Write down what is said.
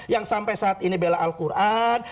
yang sampai saat ini bela al quran